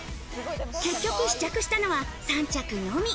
結局、試着したのは３着のみ。